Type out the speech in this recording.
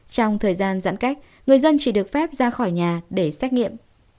trong thời gian giãn cách người dân chỉ được phép ra khỏi nhà để xét nghiệm